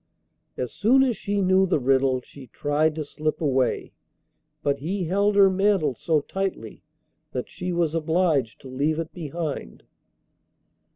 As soon as she knew the riddle she tried to slip away, but he held her mantle so tightly that she was obliged to leave it behind.